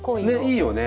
いいよね。